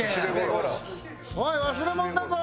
おい忘れ物だぞ！